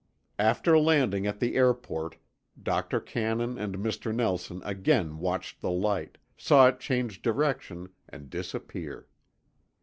After landing at the airport, Dr. Cannon and Mr. Nelson again watched the light, saw it change direction and disappear.